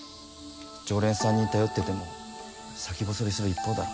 常連さんに頼ってても先細りする一方だろ